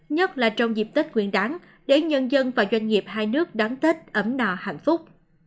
nhất là trong dịp tết quyền đáng để nhân dân và doanh nghiệp hai nước đáng tết ấm nò hạnh phúc